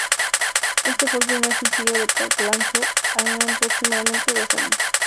Este fue el primer sencillo que Park lanzó en aproximadamente dos años.